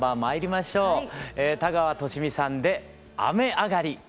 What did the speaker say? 田川寿美さんで「雨あがり」。